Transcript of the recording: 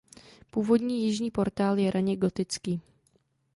Původní jižní portál je raně gotický.